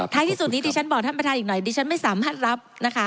ที่สุดนี้ดิฉันบอกท่านประธานอีกหน่อยดิฉันไม่สามารถรับนะคะ